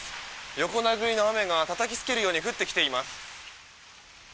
横殴りの雨がたたきつけるように降ってきています。